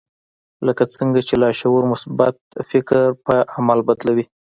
لکه څرنګه چې لاشعور مثبت فکر پر عمل بدلوي.